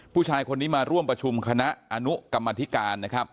ผู้ชายคนนี้มาร่วมประชุมคณะอนุกรรมธิการนะครับ